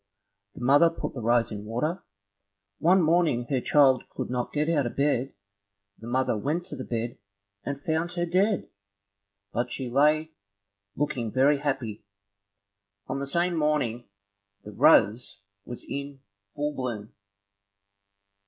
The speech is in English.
The mother put the rose in water. One morning her child could not get out of bed, the mother went to the bed and found her dead, but she lay looking very happy. On the same morning, the rose was in full bloom.